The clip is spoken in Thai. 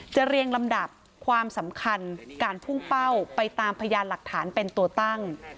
เรียงลำดับความสำคัญการพุ่งเป้าไปตามพยานหลักฐานเป็นตัวตั้ง